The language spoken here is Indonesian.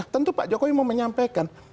tentu pak jokowi mau menyampaikan